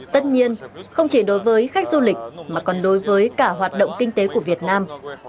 tất nhiên không chỉ đối với khách du lịch mà còn đối với cả hoạt động kinh tế của việt nam